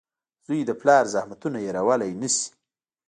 • زوی د پلار زحمتونه هېرولی نه شي.